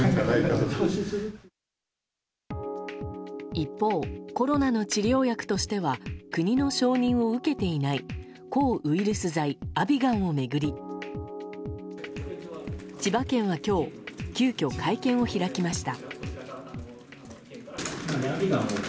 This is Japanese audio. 一方、コロナの治療薬としては国の承認を受けていない抗ウイルス剤アビガンを巡り千葉県は今日急きょ会見を開きました。